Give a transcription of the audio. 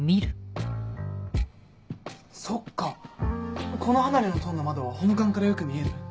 そっかこの離れの塔の窓は本館からよく見える。